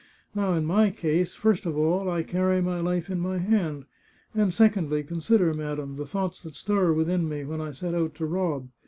Now, in my case, first of all, I carry my life in my hand, and secondly, consider, madam, the thoughts that stir within me when I set out to rob